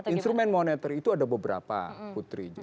instrumen moneter itu ada beberapa putri